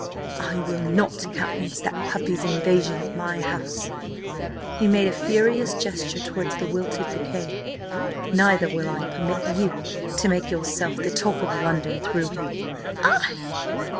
I will not countenance that puppy's invasion of my house!" He made a furious gesture towards the wilted bouquet. "Neither will I permit you to make yourself the talk of London through him!" "I? I?